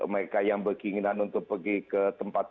mereka yang berkinginan untuk pergi ke tempat tempatnya